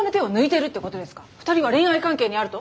２人は恋愛関係にあると？